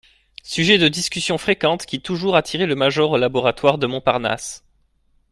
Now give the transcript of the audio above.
Sujet de discussions fréquentes qui toujours attirait le major au laboratoire de Montparnasse.